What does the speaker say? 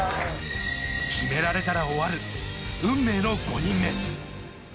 決められたら終わる運命の５人目。